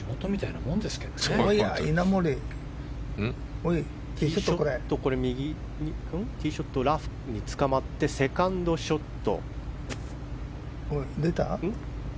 稲森、ティーショットラフにつかまってセカンドショット。